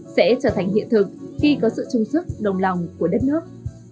sẽ trở thành hiện thực khi có sự trung sức đồng lòng của đất nước